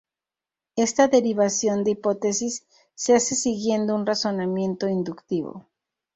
Esta derivación de hipótesis se hace siguiendo un razonamiento inductivo.